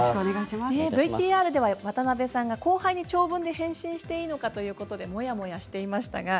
ＶＴＲでは、渡辺さんが後輩に長文で返信していいのかモヤモヤしていました。